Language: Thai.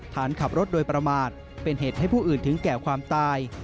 ฐานขับรถโดยประมาทเป็นเหตุให้ผู้อื่นถึงแก่ความตาย